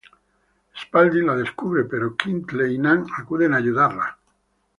Spalding la descubre, pero Queenie y Nan acuden a ayudarla.